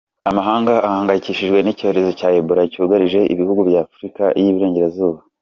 Amahanga ahangayikishijwe n’icyorezo cya Ebola cyugarije ibihugu bya Afurika y’i Burengerazuba.